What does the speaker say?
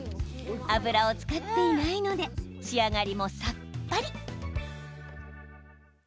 油を使っていないので仕上がりもさっぱり。